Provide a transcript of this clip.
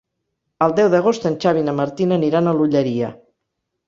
El deu d'agost en Xavi i na Martina aniran a l'Olleria.